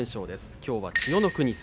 きょうは千代の国戦。